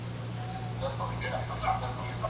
او کوښښ کوي چي د ده شعر